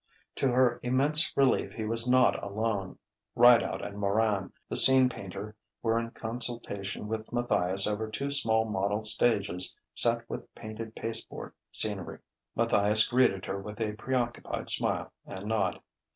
To her immense relief he was not alone. Rideout and Moran, the scene painter, were in consultation with Matthias over two small model stages set with painted pasteboard scenery. Matthias greeted her with a preoccupied smile and nod.